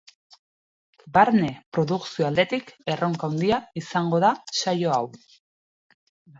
Barne produkzio aldetik erronka handia izango da saio hau.